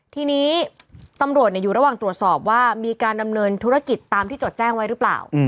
ทีนี้ตำรวจอยู่ระหว่างตรวจสอบว่ามีการดำเนินธุรกิจตามที่จดแจ้งไว้หรือเปล่า